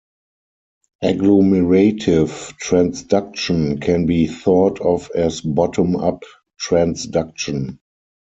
Agglomerative transduction can be thought of as bottom-up transduction.